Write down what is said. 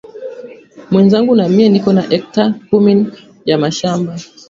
Mwenzangu na mie niko na ecta kumi ya mashamba